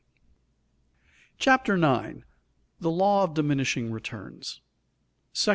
CHAPTER 9 THE LAW OF DIMINISHING RETURNS § I.